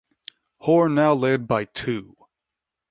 Hore now led by two.